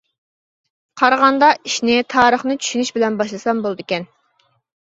قارىغاندا ئىشنى تارىخنى چۈشىنىش بىلەن باشلىسام بولىدىكەن!